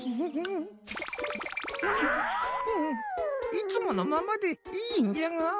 いつものままでいいんじゃが。